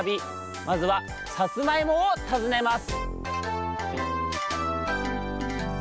まずは「さつまいも」をたずねます！